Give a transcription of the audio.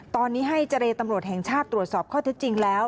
ตอนนี้ให้เจรตำรวจแห่งชาติตรวจสอบข้อเท็จจริงแล้ว